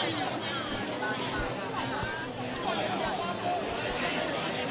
ต้นยาวมากค่ะผมก็เกิดตลอด